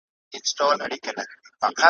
نه به ستا په کلي کي په کاڼو چا ویشتلی وي `